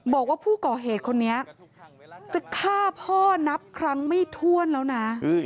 บอกว่าผู้ก่อเหตุคนนี้จะฆ่าพ่อนับครั้งไม่ถ้วนแล้วนะ